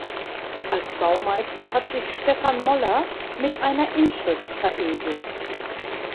Als Baumeister hat sich Stephan Moller mit einer Inschrift verewigt.